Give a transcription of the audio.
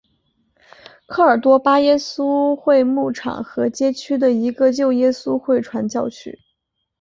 科尔多巴耶稣会牧场和街区的一个旧耶稣会传教区。